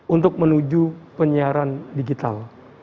untuk menuju penyiaran digital